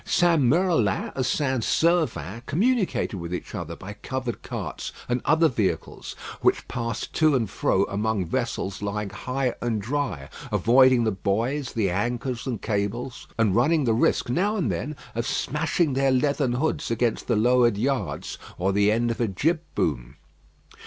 St. Merlan and St. Servan communicated with each other by covered carts and other vehicles, which passed to and fro among vessels lying high and dry, avoiding the buoys, the anchors, and cables, and running the risk now and then of smashing their leathern hoods against the lowered yards, or the end of a jibboom.